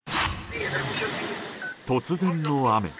突然の雨。